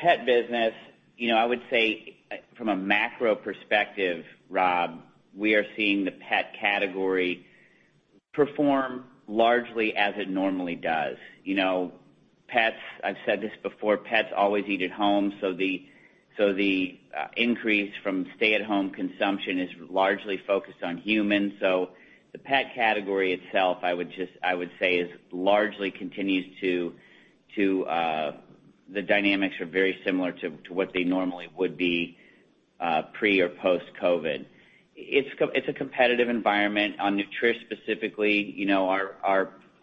pet business, I would say from a macro perspective, Rob, we are seeing the pet category perform largely as it normally does. I've said this before, pets always eat at home. So the increase from stay-at-home consumption is largely focused on humans. So the pet category itself, I would say, largely continues to the dynamics are very similar to what they normally would be pre or post-COVID. It's a competitive environment. On Nutrish specifically,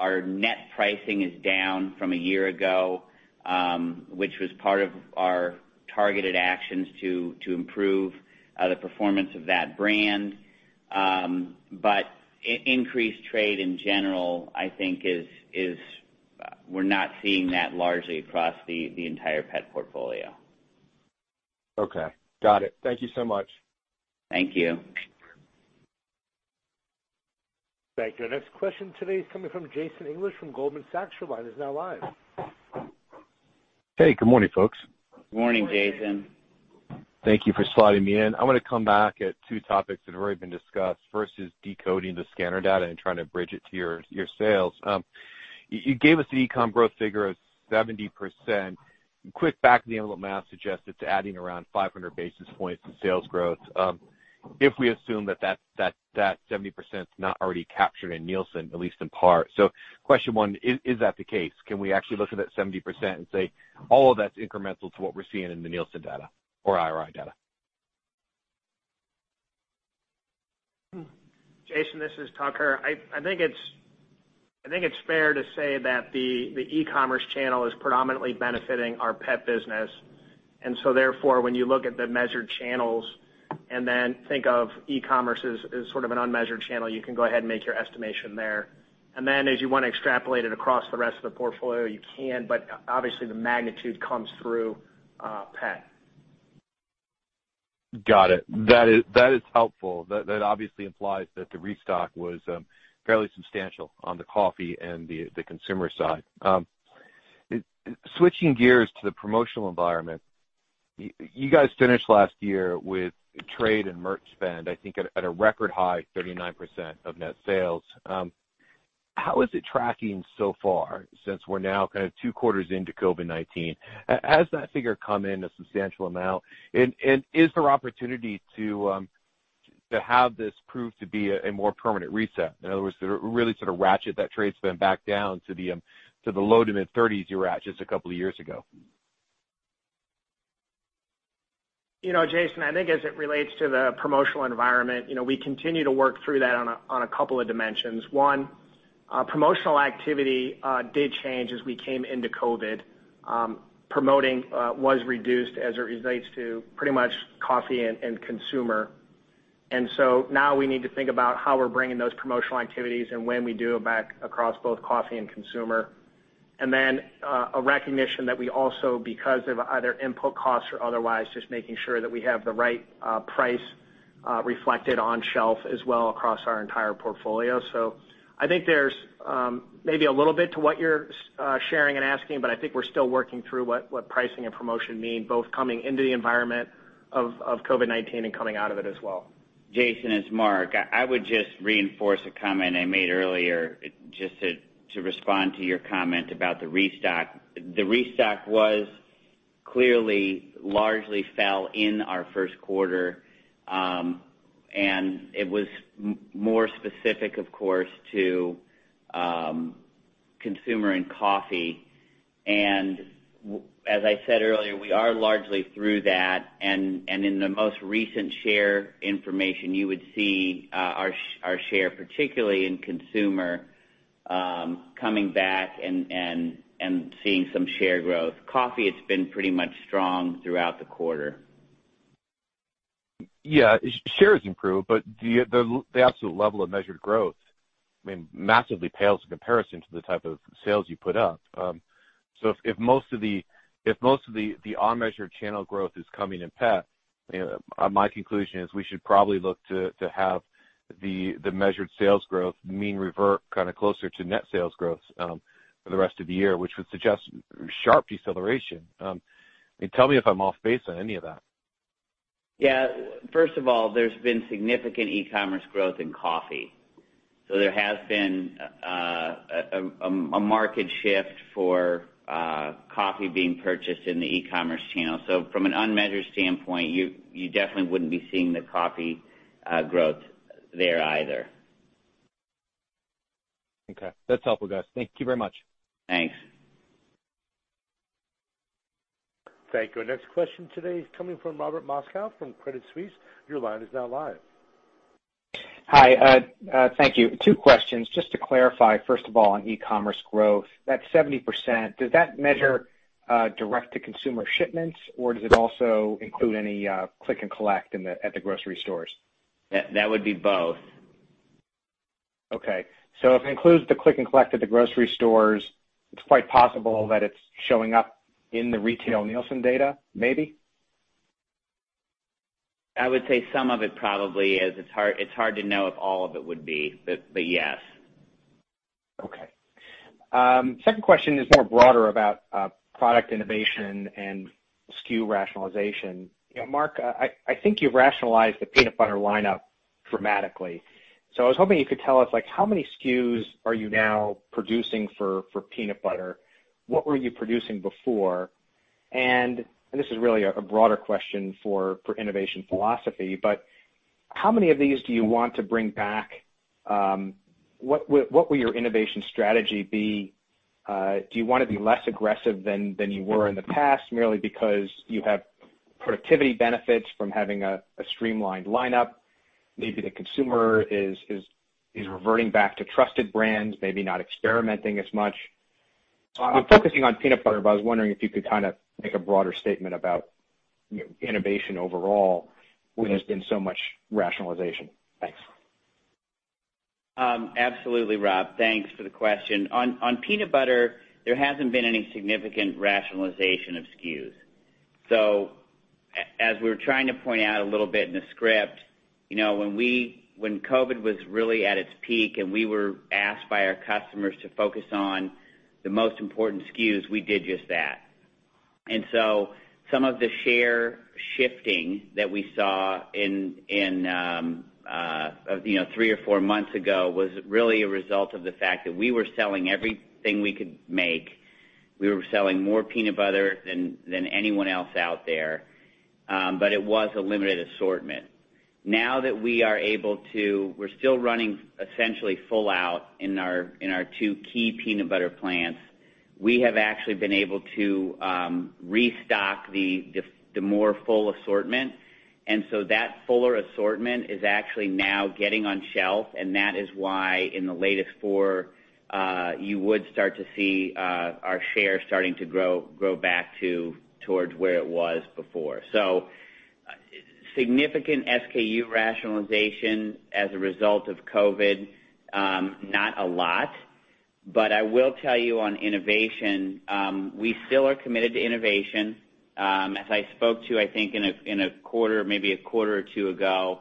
our net pricing is down from a year ago, which was part of our targeted actions to improve the performance of that brand. But increased trade in general, I think we're not seeing that largely across the entire pet portfolio. Okay. Got it. Thank you so much. Thank you. Thank you. Our next question today is coming from Jason English from Goldman Sachs. Your line is now live. Hey, good morning, folks. Good morning, Jason. Thank you for sliding me in. I want to come back at two topics that have already been discussed. First is decoding the scanner data and trying to bridge it to your sales. You gave us the e-com growth figure of 70%. Quick back of the envelope math suggests it's adding around 500 basis points in sales growth if we assume that that 70% is not already captured in Nielsen, at least in part. So question one, is that the case? Can we actually look at that 70% and say, "All of that's incremental to what we're seeing in the Nielsen data or IRI data"? Jason, this is Tucker. I think it's fair to say that the e-commerce channel is predominantly benefiting our pet business. And so therefore, when you look at the measured channels and then think of e-commerce as sort of an unmeasured channel, you can go ahead and make your estimation there. And then as you want to extrapolate it across the rest of the portfolio, you can, but obviously the magnitude comes through pet. Got it. That is helpful. That obviously implies that the restock was fairly substantial on the coffee and the consumer side. Switching gears to the promotional environment, you guys finished last year with trade and merch spend, I think, at a record high 39% of Net Sales. How is it tracking so far since we're now kind of two quarters into COVID-19? Has that figure come in a substantial amount? And is there opportunity to have this prove to be a more permanent reset? In other words, to really sort of ratchet that trade spend back down to the low to mid-30s you ratcheted a couple of years ago? Jason, I think as it relates to the promotional environment, we continue to work through that on a couple of dimensions. One, promotional activity did change as we came into COVID. Promoting was reduced as it relates to pretty much coffee and consumer, and so now we need to think about how we're bringing those promotional activities and when we do it back across both coffee and consumer, and then a recognition that we also, because of either input costs or otherwise, just making sure that we have the right price reflected on shelf as well across our entire portfolio. So I think there's maybe a little bit to what you're sharing and asking, but I think we're still working through what pricing and promotion mean, both coming into the environment of COVID-19 and coming out of it as well. Jason it's Mark. I would just reinforce a comment I made earlier just to respond to your comment about the restock. The restock was clearly largely fell in our first quarter, and it was more specific, of course, to consumer and coffee. And as I said earlier, we are largely through that. And in the most recent share information, you would see our share, particularly in consumer, coming back and seeing some share growth. Coffee, it's been pretty much strong throughout the quarter. Yeah. Shares improve, but the absolute level of measured growth, I mean, massively pales in comparison to the type of sales you put up. So if most of the unmeasured channel growth is coming in pet, my conclusion is we should probably look to have the measured sales growth mean revert kind of closer to net sales growth for the rest of the year, which would suggest sharp deceleration. Tell me if I'm off base on any of that. Yeah. First of all, there's been significant e-commerce growth in coffee. So there has been a market shift for coffee being purchased in the e-commerce channel. So from an unmeasured standpoint, you definitely wouldn't be seeing the coffee growth there either. Okay. That's helpful, guys. Thank you very much. Thanks. Thank you. Our next question today is coming from Robert Moskow from Credit Suisse. Your line is now live. Hi. Thank you. Two questions. Just to clarify, first of all, on e-commerce growth, that 70%, does that measure direct-to-consumer shipments, or does it also include any click-and-collect at the grocery stores? That would be both. Okay. So if it includes the click-and-collect at the grocery stores, it's quite possible that it's showing up in the retail Nielsen data, maybe? I would say some of it probably is. It's hard to know if all of it would be, but yes. Okay. Second question is more broader about product innovation and SKU rationalization. Mark, I think you've rationalized the peanut butter lineup dramatically. So I was hoping you could tell us how many SKUs are you now producing for peanut butter? What were you producing before? And this is really a broader question for innovation philosophy, but how many of these do you want to bring back? What will your innovation strategy be? Do you want to be less aggressive than you were in the past, merely because you have productivity benefits from having a streamlined lineup? Maybe the consumer is reverting back to trusted brands, maybe not experimenting as much. I'm focusing on peanut butter, but I was wondering if you could kind of make a broader statement about innovation overall when there's been so much rationalization. Thanks. Absolutely, Rob. Thanks for the question. On peanut butter, there hasn't been any significant rationalization of SKUs. So as we were trying to point out a little bit in the script, when COVID was really at its peak and we were asked by our customers to focus on the most important SKUs, we did just that. And so some of the share shifting that we saw three or four months ago was really a result of the fact that we were selling everything we could make. We were selling more peanut butter than anyone else out there, but it was a limited assortment. Now that we are able to, we're still running essentially full out in our two key peanut butter plants. We have actually been able to restock the more full assortment. And so that fuller assortment is actually now getting on shelf. And that is why in the latest four, you would start to see our share starting to grow back towards where it was before. So significant SKU rationalization as a result of COVID, not a lot. But I will tell you on innovation, we still are committed to innovation. As I spoke to, I think, in a quarter, maybe a quarter or two ago,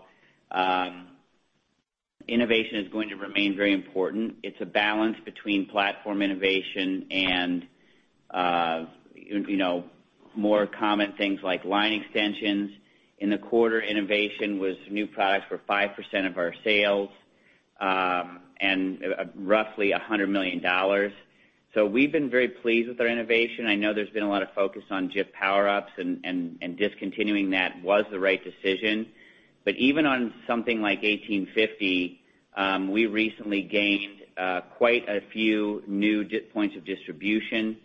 innovation is going to remain very important. It's a balance between platform innovation and more common things like line extensions. In the quarter, innovation was new products for 5% of our sales and roughly $100 million. So, we've been very pleased with our innovation. I know there's been a lot of focus on Jif Power Ups and discontinuing that was the right decision. But even on something like 1850, we recently gained quite a few new points of distribution,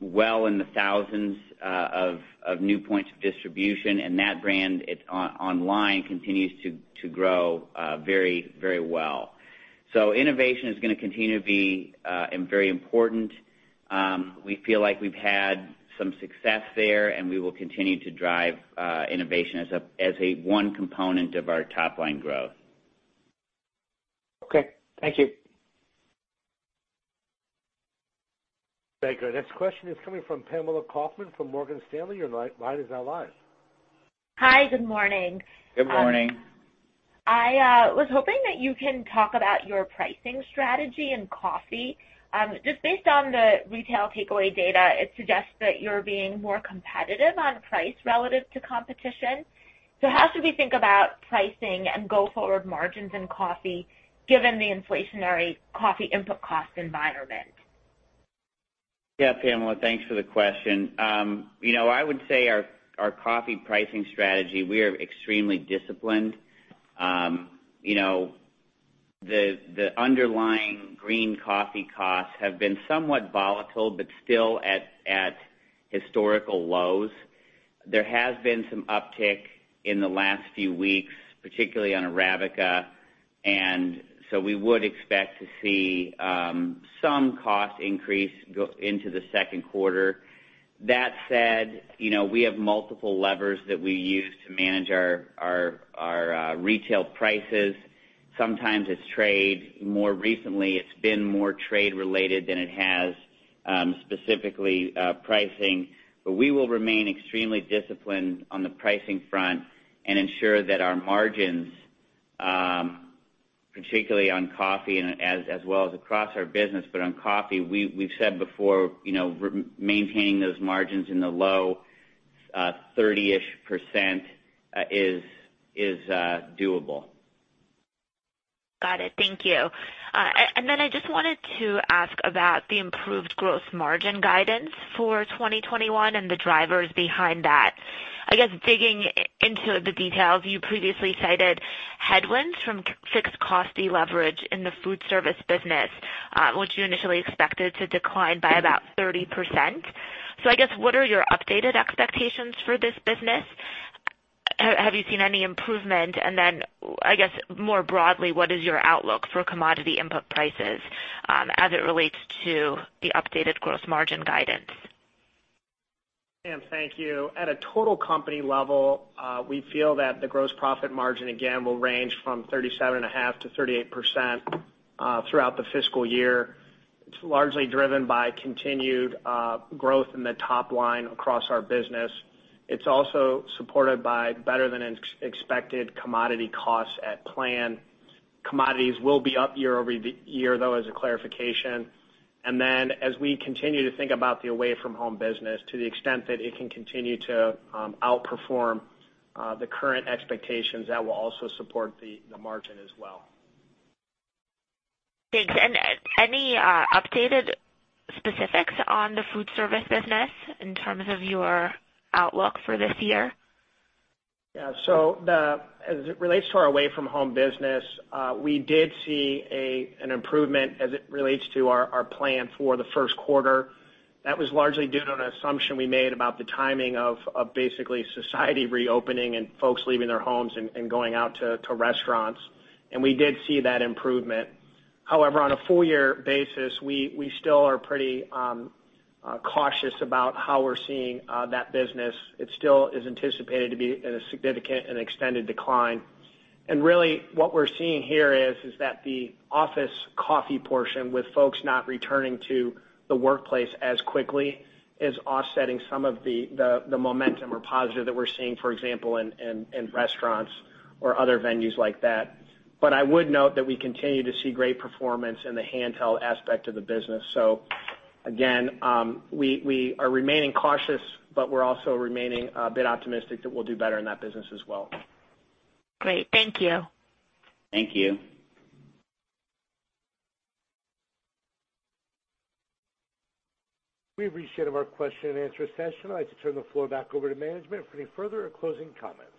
well in the thousands of new points of distribution. And that brand online continues to grow very, very well. So, innovation is going to continue to be very important. We feel like we've had some success there, and we will continue to drive innovation as a one component of our top-line growth. Okay. Thank you. Thank you. Our next question is coming from Pamela Kaufman from Morgan Stanley. Your line is now live. Hi. Good morning. Good morning. I was hoping that you can talk about your pricing strategy in coffee. Just based on the retail takeaway data, it suggests that you're being more competitive on price relative to competition. So how should we think about pricing and go forward margins in coffee given the inflationary coffee input cost environment? Yeah, Pamela, thanks for the question. I would say our coffee pricing strategy; we are extremely disciplined. The underlying green coffee costs have been somewhat volatile, but still at historical lows. There has been some uptick in the last few weeks, particularly on Arabica. And so, we would expect to see some cost increase into the second quarter. That said, we have multiple levers that we use to manage our retail prices. Sometimes it's trade. More recently, it's been more trade-related than it has specifically pricing. But we will remain extremely disciplined on the pricing front and ensure that our margins, particularly on coffee, as well as across our business, but on coffee, we've said before, maintaining those margins in the low 30-ish% is doable. Got it. Thank you. And then I just wanted to ask about the improved gross margin guidance for 2021 and the drivers behind that. I guess digging into the details, you previously cited headwinds from fixed cost deleverage in the foodservice business, which you initially expected to decline by about 30%. So, I guess what are your updated expectations for this business? Have you seen any improvement? And then I guess more broadly, what is your outlook for commodity input prices as it relates to the updated gross margin guidance? Pam, thank you. At a total company level, we feel that the gross profit margin, again, will range from 37.5%-38% throughout the fiscal year. It's largely driven by continued growth in the top line across our business. It's also supported by better-than-expected commodity costs at plan. Commodities will be up year-over-year, though, as a clarification. And then as we continue to think about the Away From Home business, to the extent that it can continue to outperform the current expectations, that will also support the margin as well. Thanks. And any updated specifics on the foodservice business in terms of your outlook for this year? Yeah. So as it relates to our Away From Home business, we did see an improvement as it relates to our plan for the first quarter. That was largely due to an assumption we made about the timing of basically society reopening and folks leaving their homes and going out to restaurants. And we did see that improvement. However, on a full-year basis, we still are pretty cautious about how we're seeing that business. It still is anticipated to be in a significant and extended decline. And really, what we're seeing here is that the office coffee portion with folks not returning to the workplace as quickly is offsetting some of the momentum or positive that we're seeing, for example, in restaurants or other venues like that. But I would note that we continue to see great performance in the handheld aspect of the business. So again, we are remaining cautious, but we're also remaining a bit optimistic that we'll do better in that business as well. Great. Thank you. Thank you. We've reached the end of our question-and-answer session. I'd like to turn the floor back over to management for any further or closing comments.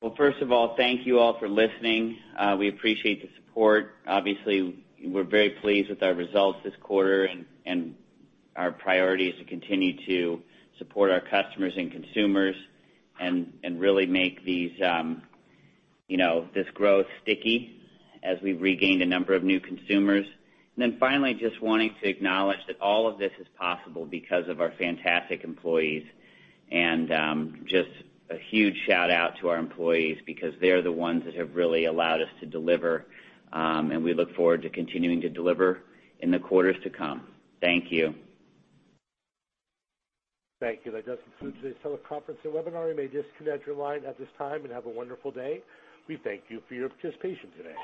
Well, first of all, thank you all for listening. We appreciate the support. Obviously, we're very pleased with our results this quarter, and our priority is to continue to support our customers and consumers and really make this growth sticky as we've regained a number of new consumers, and then finally, just wanting to acknowledge that all of this is possible because of our fantastic employees, and just a huge shout-out to our employees because they're the ones that have really allowed us to deliver, and we look forward to continuing to deliver in the quarters to come. Thank you. Thank you. That does conclude today's teleconference and webinar. You may disconnect your line at this time and have a wonderful day. We thank you for your participation today.